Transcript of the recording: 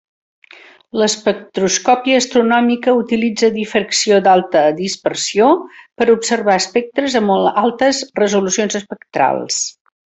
L'espectroscòpia astronòmica utilitza difracció d'alta dispersió per observar espectres a molt altes resolucions espectrals.